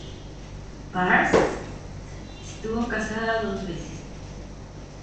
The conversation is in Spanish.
Pearce estuvo casada dos veces.